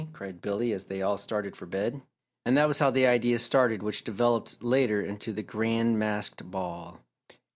cried Billy, as they all started for bed. And that was how the idea started which developed later into the Grand Masked Ball.